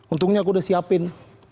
untungnya aku udah siapin